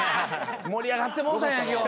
盛り上がってもうたんや今日。